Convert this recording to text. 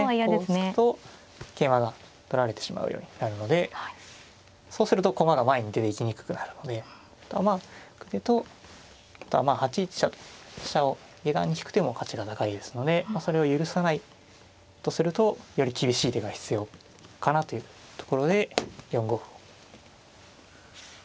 こう突くと桂馬が取られてしまうようになるのでそうすると駒が前に出ていきにくくなるので角出とあとは８一飛車と飛車を下段に引く手も価値が高いですのでそれを許さないとするとより厳しい手が必要かなというところで４五歩を突きましたね。